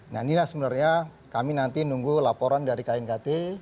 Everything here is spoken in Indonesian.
nah inilah sebenarnya kami nanti nunggu laporan dari knkt